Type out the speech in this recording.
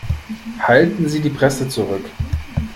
Halten Sie die Presse zurück!